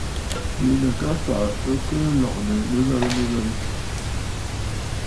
Bìʼinə̀ ka fàʼà, ɨ kɨ lɔ̀gə̀ nɨghərə nɨghərə.